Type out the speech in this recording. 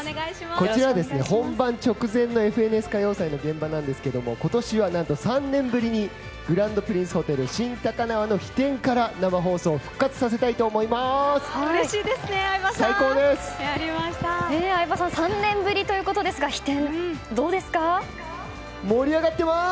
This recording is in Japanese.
こちらは本番直前の「ＦＮＳ歌謡祭」の現場なんですが今年は何と３年ぶりにグランドプリンスホテル新高輪の飛天から生放送復活させたいと思います。